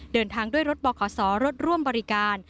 เดินทางด้วยรถบขรถร่วมบริการ